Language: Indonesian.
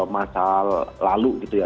masa lalu gitu ya